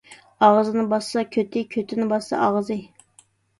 ئاغزىنى باسسا كۆتى، كۆتىنى باسسا ئاغزى.